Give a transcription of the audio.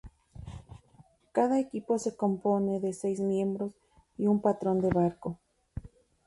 Cada equipo se compone de seis miembros y un patrón de barco.